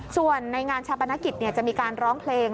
ส่วนในงานชาปนกิจจะมีการร้องเพลง